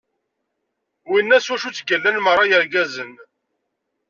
Winna s wacu i ttgallan meṛṛa yirgazen.